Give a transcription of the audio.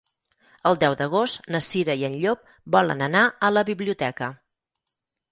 El deu d'agost na Cira i en Llop volen anar a la biblioteca.